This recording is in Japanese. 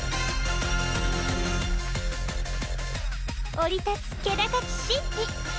降り立つ気高き神秘！